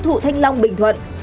và tiêu thụ thanh long bình thuận